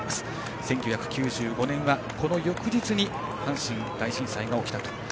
１９９５年は翌日に阪神大震災が起きたと。